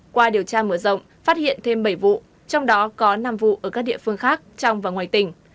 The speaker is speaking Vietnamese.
qua điều tra mở rộng phát hiện thêm bảy vụ trong đó có năm vụ ở các địa phương khác trong và ngoài tỉnh